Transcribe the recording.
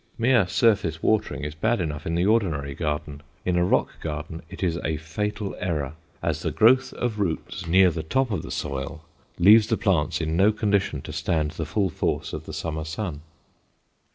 Mere surface watering is bad enough in the ordinary garden; in a rock garden it is a fatal error, as the growth of roots near the top of the soil leaves the plants in no condition to stand the full force of the summer sun.